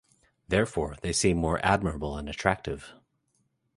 Therefore, they seem more admirable and attractive.